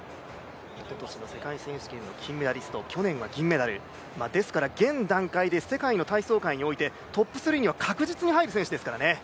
おととしの世界選手権の金メダリスト、去年は銀メダル、現段階で世界の体操界においてトップ３には確実に入る選手ですからね。